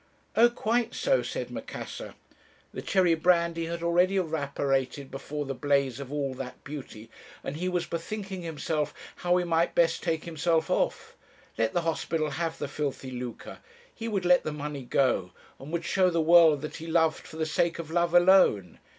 "'Oh, quite so,' said Macassar. The cherry brandy had already evaporated before the blaze of all that beauty, and he was bethinking himself how he might best take himself off. Let the hospital have the filthy lucre! He would let the money go, and would show the world that he loved for the sake of love alone!